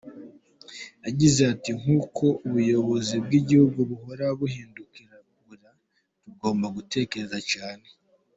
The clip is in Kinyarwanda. Yagize ati “Nk’uko ubuyobozi bw’Igihugu buhora bubidukangurira, tugomba gutekereza cyane.